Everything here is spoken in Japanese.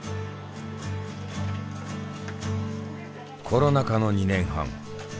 コロナ禍の２年半。